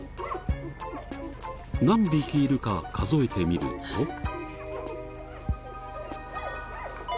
何匹いるか数えてみると。